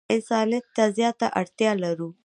انسانیت ته زیاته اړتیا لرو.